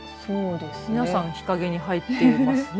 皆さん日陰に入っていますね。